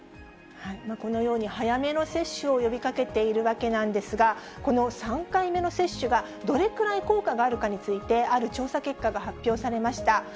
このように、早めの接種を呼びかけているわけなんですが、この３回目の接種がどれくらい効果があるかについて、ある調査結果が発表されました。